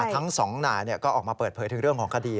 ทั้งสองนายก็ออกมาเปิดเผยถึงเรื่องของคดี